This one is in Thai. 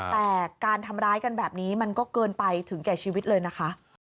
แต่การทำร้ายกันแบบนี้มันก็เกินไปถึงแก่ชีวิตเลยนะคะ